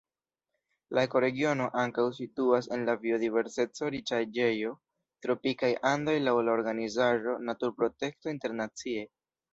La ekoregiono ankaŭ situas en la biodiverseco-riĉaĵejo Tropikaj Andoj laŭ la organizaĵo Naturprotekto Internacie.